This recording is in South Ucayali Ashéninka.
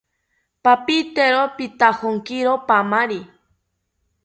Papitero pitajonkiro paamari